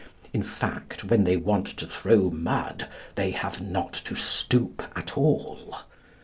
In fact, when they want to throw mud they have not to stoop at all.